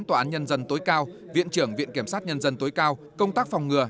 tòa án nhân dân tối cao viện trưởng viện kiểm sát nhân dân tối cao công tác phòng ngừa